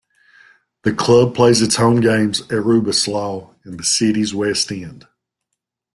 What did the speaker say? The club plays its home games at Rubislaw in the city's west end.